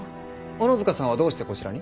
小野塚さんはどうしてこちらに？